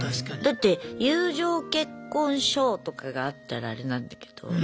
だって友情結婚証とかがあったらアレなんだけど。